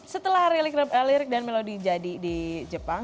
setelah lirik dan melodi jadi di jepang